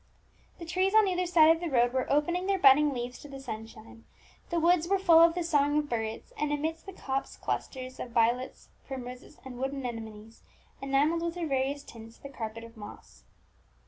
The trees on either side of the road were opening their budding leaves to the sunshine; the woods were full of the song of birds; and amidst the copse clusters of violets, primroses, and wood anemones, enamelled with their varied tints the carpet of moss.